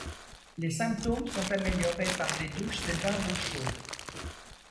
Les symptômes sont améliorés par des douches et bains d'eau chaude.